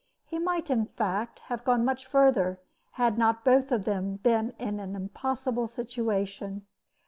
He might, in fact, have gone much further, had not both of them been in an impossible situation.